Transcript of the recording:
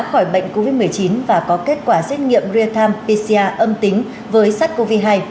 khỏi bệnh covid một mươi chín và có kết quả xét nghiệm real time pcr âm tính với sars cov hai